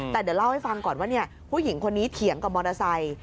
แต่เดี๋ยวเล่าให้ฟังก่อนว่าผู้หญิงคนนี้เถียงกับมอเตอร์ไซค์